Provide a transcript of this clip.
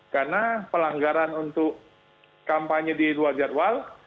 karena pelanggaran untuk kampanye di luar jadwal